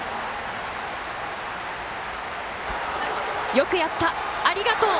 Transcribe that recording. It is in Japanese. よくやった、ありがとう。